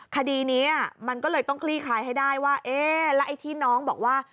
คดีนี้มันก็เลยต้องคลี่คลายให้ได้ว่าเอ๊ะแล้วไอ้ที่น้องบอกว่า